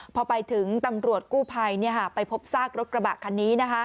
พอไปถึงตำรวจกู้ภัยไปพบซากรถกระบะคันนี้